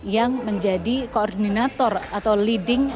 yang menjadi koordinator atau leading